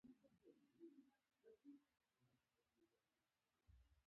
د پخلنځي میرمنې د مالګې سره خاص حساسیت لري.